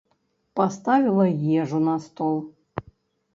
Паставіла ежу на стол.